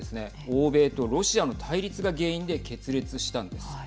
欧米とロシアの対立が原因で決裂したんです。